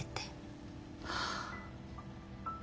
はあ。